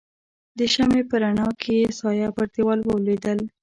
د شمعې په رڼا کې يې سایه پر دیوال ولوېدل.